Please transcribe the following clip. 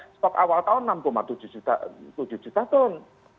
stok awal tahun enam tujuh juta ton